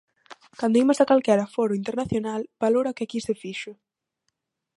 Cando imos a calquera foro internacional, valora o que aquí se fixo.